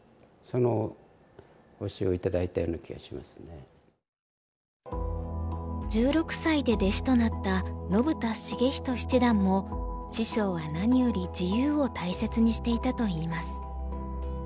ほとんど１６歳で弟子となった信田成仁七段も師匠は何より自由を大切にしていたといいます。